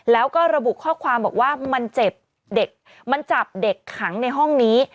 แล้วก็ระบุข้อความบอกว่ามันเจ็บเด็กมันจับเด็กขังในห้องนี้